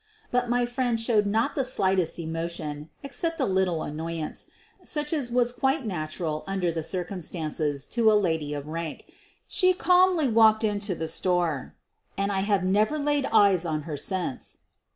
But my friend showed not the slightest emotion, except a little annoyance, such as was quite natural under the circumstances to a lady of rank. She calmly walked into the store — and I have never laid eyes on her since.